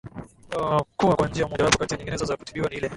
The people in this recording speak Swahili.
kuwa kwaNjia mojawapo kati ya nyinginezo za kutibiwa ni ile